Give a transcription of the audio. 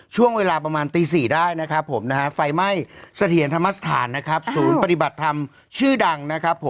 ช่วงเวลาประมาณตี๔ได้ไฟไหม้เฉียนธรรมสถานศูนย์ปฏิบัติธรรมชื่อดังของเก่า